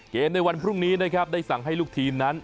ในวันพรุ่งนี้นะครับได้สั่งให้ลูกทีมนั้น